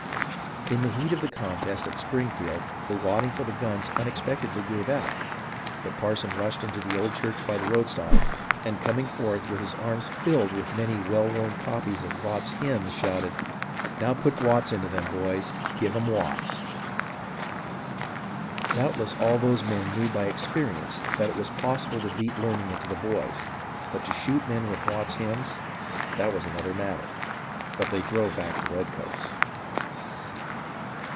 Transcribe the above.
In the heat of the contest at Springfield the wadding for the guns unexpectedly gave out, but the parson rushed into the old church by the roadside, and coming forth with his arms filled with many well worn copies of Watts' hymns, shouted :" Now put Watts into them, boys ! Give 'em Watts !" Doubtless all those men knew by experience that it was possible to beat learning into boys, but to shoot men with Watts' hymns — that was another matter. But they drove back the redcoats